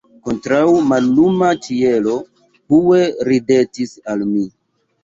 Kontraŭ malluma ĉielo Hue ridetis al mi.